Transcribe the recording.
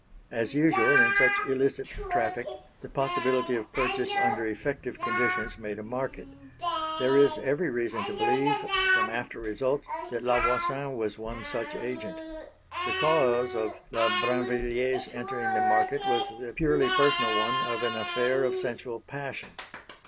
As usual in such illicit traffic, the possibility of purchase under effective conditions made a market. There is every reason to believe from after results that La Voisin was one such agent. The cause of La Brinvilliers entering the market was the purely personal one of an affair of sensual passion.